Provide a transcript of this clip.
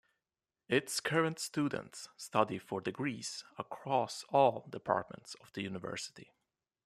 Its current students study for degrees across all departments of the university.